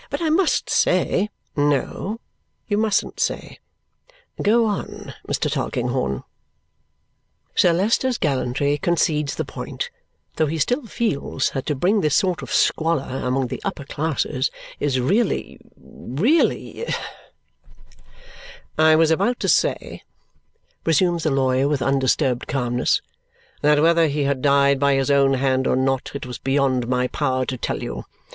But, I must say " "No, you mustn't say! Go on, Mr. Tulkinghorn." Sir Leicester's gallantry concedes the point, though he still feels that to bring this sort of squalor among the upper classes is really really "I was about to say," resumes the lawyer with undisturbed calmness, "that whether he had died by his own hand or not, it was beyond my power to tell you.